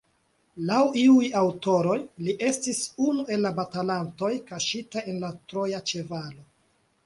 Laŭ iuj aŭtoroj, li estis unu el la batalantoj kaŝitaj en la troja ĉevalo.